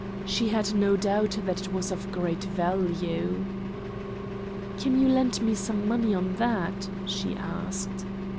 She had no doubt that it was of great value. "Can you lend me some money on that?" she asked.